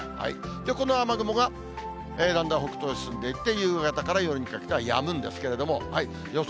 この雨雲がだんだん北東へ進んでいって、夕方から夜にかけてはやむんですけれども、予想